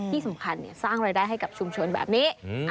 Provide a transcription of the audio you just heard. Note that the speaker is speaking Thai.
ที่สำคัญสร้างรายได้ให้กับชุมชนแบบนี้